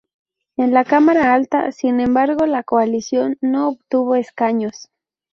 En la cámara alta, sin embargo, la coalición no obtuvo escaños.